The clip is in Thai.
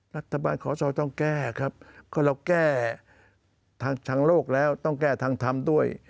รัฐบาลขอสอต้องแก้ครับก็เราแก้ทางโลกแล้วต้องแก้ทางธรรมด้วย